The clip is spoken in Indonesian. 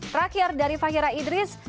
terakhir dari fahira idris